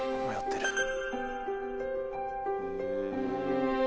迷ってる。